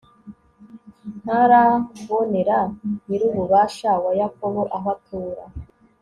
ntarabonera nyir'ububasha wa yakobo aho atura